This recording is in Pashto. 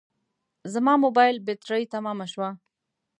زما موبایل بټري تمامه شوه